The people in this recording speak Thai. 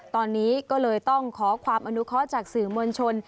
ตอนนี้ก็เลยต้องขอความอนุเคาะจากสื่อมวลชน